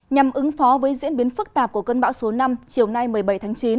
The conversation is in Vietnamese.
nhằm ứng phó với diễn biến phức tạp của cơn bão số năm chiều nay một mươi bảy tháng chín